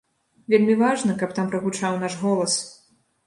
Вельмі важна, каб там прагучаў наш голас.